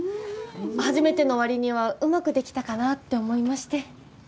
初めてのわりにはうまくできたかなって思いまして。